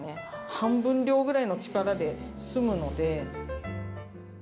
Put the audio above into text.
半分量ぐらいの力ですむので。